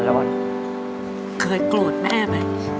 เคยโกรธแม่ไหม